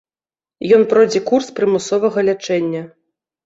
Ён пройдзе курс прымусовага лячэння.